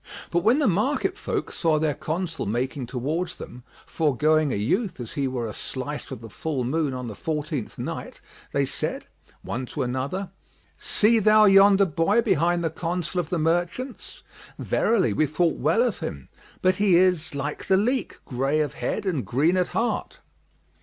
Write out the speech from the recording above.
But when the market folk saw their Consul making towards them, foregoing a youth as he were a slice of the full moon on the fourteenth night, they said, one to other, "See thou yonder boy behind the Consul of the merchants; verily, we thought well of him, but he is, like the leek, gray of head and green at heart."